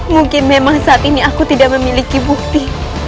mungkin memang saat ini aku tidak memiliki bukti